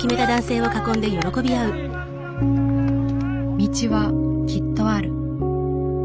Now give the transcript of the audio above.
「道はきっとある」。